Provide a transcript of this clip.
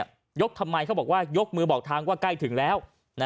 ยกทำไมเขาบอกว่ายกมือบอกทางว่าใกล้ถึงแล้ว